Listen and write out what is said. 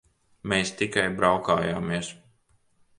Mēs tikai braukājāmies.